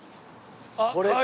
これか。